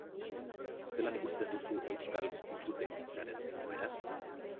Zelan ikusten duzu euskal itzulpengintzaren egoera?